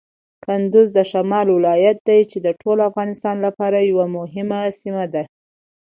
کندز د شمال ولایت دی چې د ټول افغانستان لپاره یوه مهمه سیمه ده.